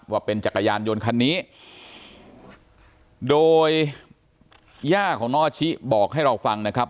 ว่าเป็นจักรยานยนต์คันนี้โดยย่าของน้องอาชิบอกให้เราฟังนะครับ